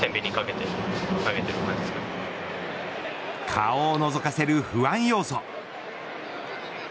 顔をのぞかせる不安要素。